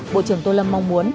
bộ trưởng tô lâm mong muốn